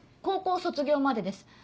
高校卒業までです。